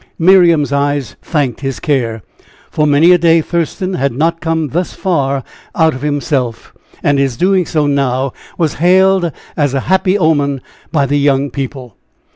Miriam's eyes thanked his care. For many a day Thurston had not come thus far out of himself, and his doing so now was hailed as a happy omen by the young people.